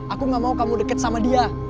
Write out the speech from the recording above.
aku gak mau kamu deket sama dia